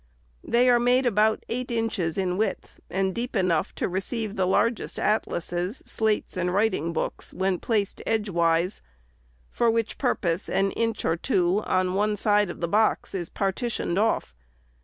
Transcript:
They are made about eight inches in width, and deep enough to receive the largest atlases, slates, and writing books, when placed edgewise, for which purpose, an inch or two on one side of the box is partitioned off.